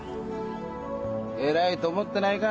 「偉い」と思ってないか？